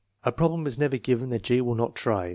" A problem is never given that G. will not try.